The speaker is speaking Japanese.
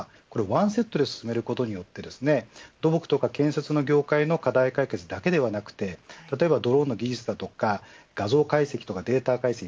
ワンセットで進めることによって土木とか建設の業界の課題解決だけではなくドローンの技術だとか画像解析とかデータ解析